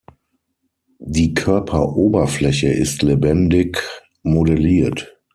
Die Körperoberfläche ist lebendig modelliert.